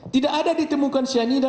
tidak ada ditemukan cyanida